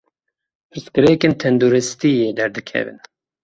Pirsgirêkên tenduristiyê derdikevin.